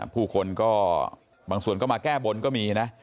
ผู้คนก็บางส่วนก็มาแก้บนก็มีนะ